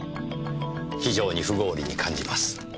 非常に不合理に感じます。